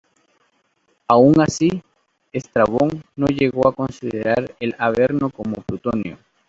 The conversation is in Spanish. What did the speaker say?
Aun así, Estrabón no llegó a considerar el Averno como plutonio.